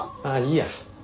ああいいや。